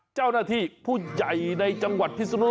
สะพานก็สุด